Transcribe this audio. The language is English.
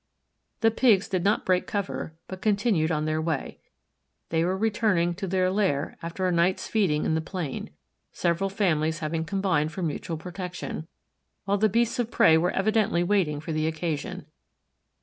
The Pigs did not break cover, but continued on their way. They were returning to their lair after a night's feeding in the plain, several families having combined for mutual protection; while the beasts of prey were evidently waiting for the occasion.